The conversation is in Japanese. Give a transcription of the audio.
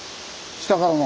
下からの。